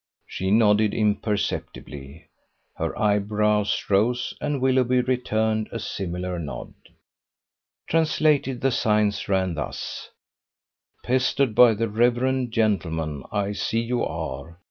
She nodded imperceptibly. Her eyebrows rose, and Willoughby returned a similar nod. Translated, the signs ran thus: " Pestered by the Rev. gentleman: I see you are.